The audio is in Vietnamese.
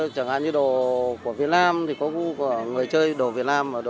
chẳng hạn như đồ của việt nam thì có người chơi đồ việt nam